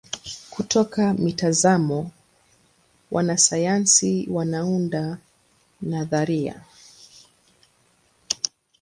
Kutoka mitazamo wanasayansi wanaunda nadharia.